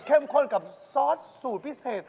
ข้นกับซอสสูตรพิเศษ